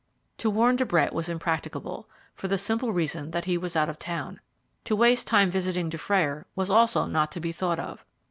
To warn De Brett was impracticable, for the simple reason that he was out of town to waste time visiting Dufrayer was also not to be thought of.